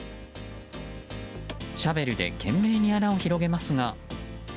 シャベルで懸命に穴を広げますが。